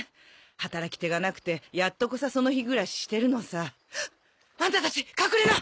働き手がなくてやっとこさその日暮らししてるのさアンタたち隠れな！